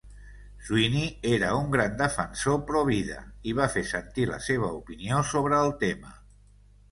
Sweeney era un gran defensor pro-vida, i va fer sentir la seva opinió sobre el tema.